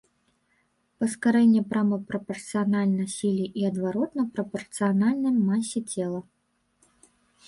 Паскарэнне прама прапарцыянальна сіле і адваротна прапарцыянальна масе цела.